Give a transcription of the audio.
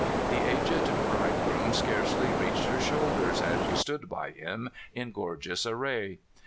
The aged bridegroom scarcely reached her shoulders as she stood by him in gorgeous array.